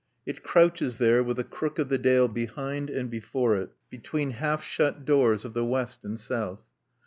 It crouches there with a crook of the dale behind and before it, between half shut doors of the west and south.